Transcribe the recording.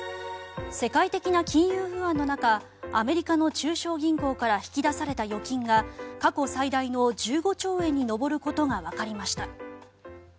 世界的な金融不安の中アメリカの中小銀行から引き出された預金が過去最大の１５兆円に上ることがわかりました。